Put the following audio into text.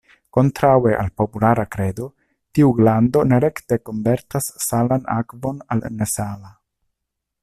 Kontraŭe al populara kredo, tiu glando ne rekte konvertas salan akvon al nesala.